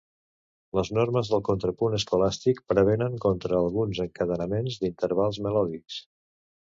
Les normes del contrapunt escolàstic prevenen contra alguns encadenaments d'intervals melòdics.